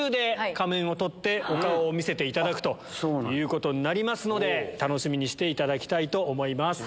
お顔を見せていただくということになりますので楽しみにしていただきたいと思います。